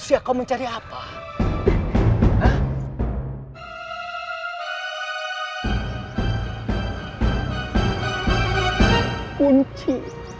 dia lagi dia lagi